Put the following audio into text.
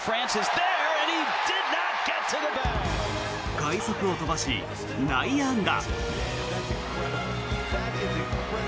快足を飛ばし、内野安打。